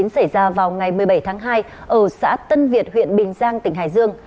xảy ra vào ngày một mươi bảy tháng hai ở xã tân việt huyện bình giang tỉnh hải dương